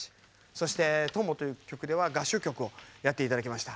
そして「友」という曲では合唱曲をやっていただきました。